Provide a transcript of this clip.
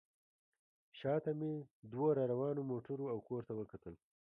شا ته مې دوو راروانو موټرو او کور ته وکتل.